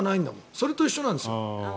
それと一緒なんですよ。